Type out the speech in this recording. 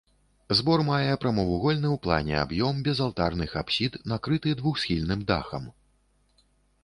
Збор мае прамавугольны ў плане аб'ем без алтарных апсід, накрыты двухсхільным дахам.